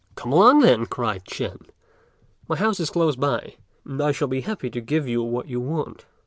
"Come along, then," cried Ch'ên, "my house is close by, and I shall be happy to give you what you want."